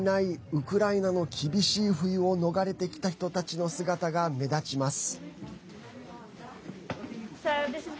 ウクライナの厳しい冬を逃れてきた人たちの姿が目立ちます。